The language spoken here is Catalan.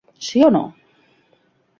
Sí o No?